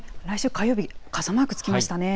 来週火曜日、傘マークつきました